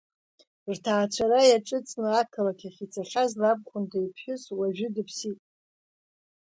Рҭаацәара иаҿыҵны ақалақь ахь ицахьаз лабхәында иԥҳәыс уажәы дыԥсит.